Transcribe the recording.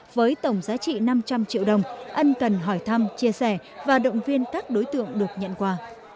với tổng giá trị năm trăm linh triệu đồng ân cần hỏi thăm chia sẻ và động viên các đối tượng được nhận quà